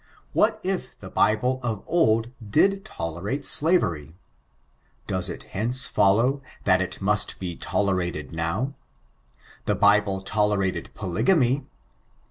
What if die Bible of old did tolerate slavery ? Does it hence follow that it must be tolerated now ¥ The Bible tolerated polygamy.